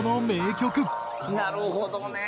なるほどね！